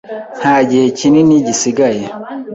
Nta gihe kinini gisigaye.